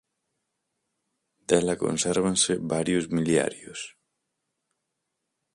Dela consérvanse varios miliarios.